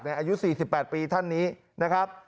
อายุ๔๘ปีท่านนี้นะครับ